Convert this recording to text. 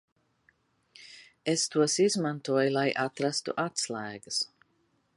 Es tos izmantoju, lai atrastu atslēgas.